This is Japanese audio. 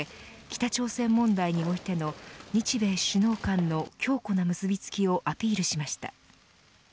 北朝鮮問題においての日米首脳間の強固な結びつきをアピールしました。